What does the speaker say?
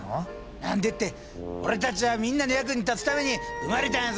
何でって俺たちはみんなの役に立つために生まれたんやぞ。